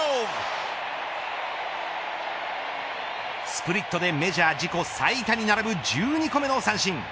スプリットでメジャー自己最多に並ぶ１２個目の三振。